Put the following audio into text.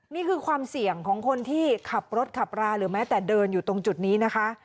นี่คือความเสี่ยงของคนที่ขับรถขับราหรือแม้แต่เดินอยู่ตรงจุดนี้นะคะ